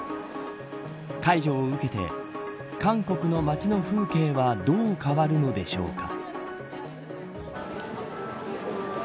解除を受けて韓国の街の風景はどう変わるのでしょうか。